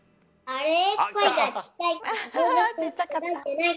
あれ？